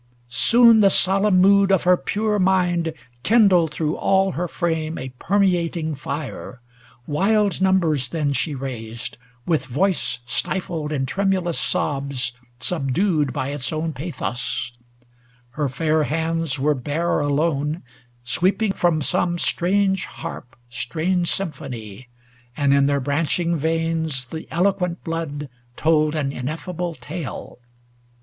Soon the solemn mood Of her pure mind kindled through all her frame A permeating fire; wild numbers then She raised, with voice stifled in tremulous sobs Subdued by its own pathos; her fair hands Were bare alone, sweeping from some strange harp Strange symphony, and in their branching veins The eloquent blood told an ineffable tale.